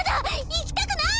行きたくない！